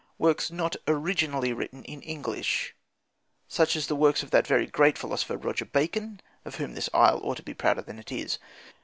Works not originally written in English, such as the works of that very great philosopher Roger Bacon, of whom this isle ought to be prouder than it is.